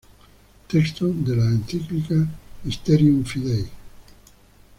Texto de la encíclica Mysterium Fidei